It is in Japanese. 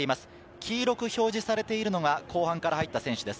黄色く表示されているのが後半から入った選手です。